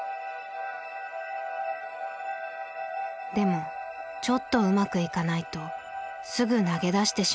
でもちょっとうまくいかないとすぐ投げ出してしまうのです。